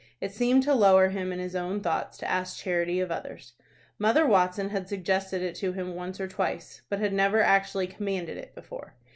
It seemed to lower him in his own thoughts to ask charity of others. Mother Watson had suggested it to him once or twice, but had never actually commanded it before.